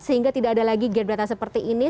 sehingga tidak ada lagi gap data seperti ini